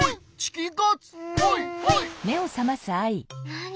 なに？